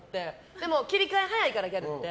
でも切り替え早いからギャルって。